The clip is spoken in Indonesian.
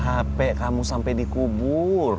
hp kamu sampe dikubur